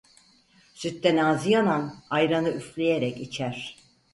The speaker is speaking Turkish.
Sütten ağzı yanan, ayranı üfleyerek içer.